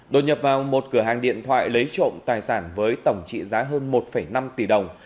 đột nhập vào một cửa hàng điện thoại lấy trộm tài sản với tổng trị giá hơn một năm tỷ đồng